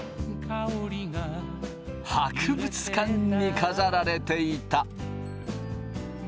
博物館に飾られていた。